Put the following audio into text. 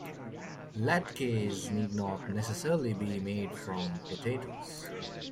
Latkes need not necessarily be made from potatoes.